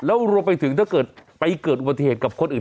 แล้วรวมไปถึงถ้าเกิดไปเกิดอุบัติเหตุกับคนอื่น